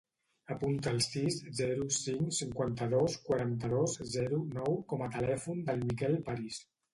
Apunta el sis, zero, cinc, cinquanta-dos, quaranta-dos, zero, nou com a telèfon del Miquel Paris.